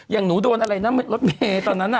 อย่างหนูโดนอะไรนะรถเมย์ตอนนั้นน่ะ